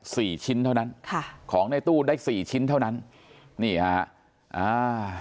สี่ชิ้นเท่านั้นค่ะของในตู้ได้สี่ชิ้นเท่านั้นนี่ฮะอ่า